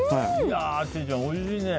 千里ちゃん、おいしいね。